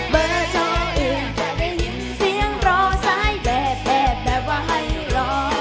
เบอร์ช่องอื่นจะได้ยินเสียงรอซ้ายแบบแทบแบบว่าให้รอ